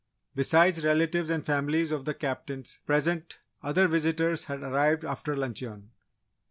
Besides relatives and families of the captains present other visitors had arrived after luncheon.